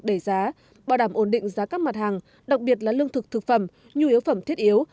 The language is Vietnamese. đẩy giá bảo đảm ổn định giá các mặt hàng đặc biệt là lương thực thực phẩm nhu yếu phẩm thiết yếu